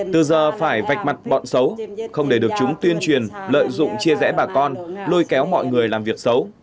từ giờ phải vạch mặt bọn xấu không để được chúng tuyên truyền lợi dụng chia rẽ bà con lôi kéo mọi người làm việc xấu